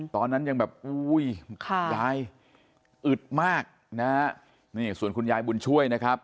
ตอนนั้นยังแบบอุ้ยยายอึดมากนะฮะนี่ส่วนคุณยายบุญช่วยนะครับ